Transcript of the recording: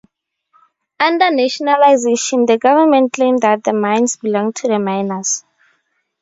Under nationalisation, the government claimed that the mines belonged to the miners.